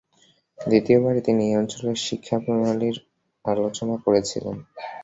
দ্বিতীয়বারে তিনি এই অঞ্চলের শিক্ষাপ্রণালীর আলোচনা করেছিলেন।